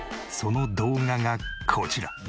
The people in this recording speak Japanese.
その動画がこちら。